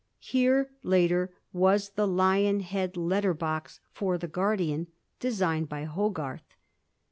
Here, later, waa the lion head letter box for the 'Guardian,' designed by Hogarth.